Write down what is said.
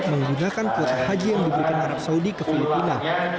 menggunakan kuota haji yang diberikan arab saudi ke filipina